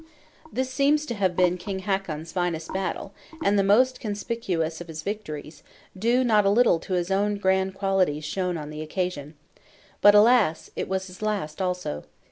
This seems to have been King Hakon's finest battle, and the most conspicuous of his victories, due not a little to his own grand qualities shown on the occasion. But, alas! it was his last also.